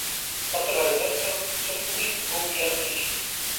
Tato verze se od předcházejících dvou výrazně liší.